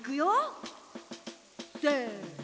せの！